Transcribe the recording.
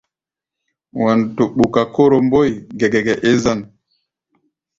Wanto ɓuka Kóro Mbóe gɛgɛgɛ é zân.